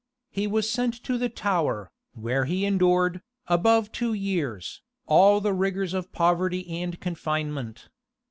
He was sent to the Tower, where he endured, above two years, all the rigors of poverty and confinement.